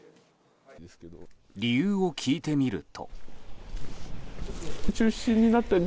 理由を聞いてみると。